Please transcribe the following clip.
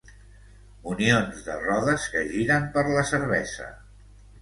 Munions de rodes que giren per la cervesa.